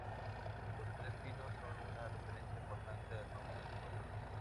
Los tres pinos son una referencia parlante al nombre del pueblo.